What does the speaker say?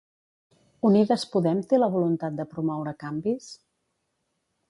Unides Podem té la voluntat de promoure canvis?